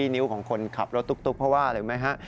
นิ้วของคนขับรถตุ๊กเพราะว่าอะไรรู้ไหมฮะ